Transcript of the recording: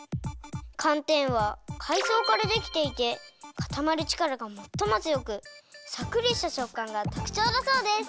かんてんはかいそうからできていてかたまるちからがもっともつよくさっくりしたしょっかんがとくちょうだそうです！